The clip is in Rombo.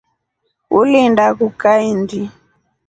Uliinda kuu kaindi?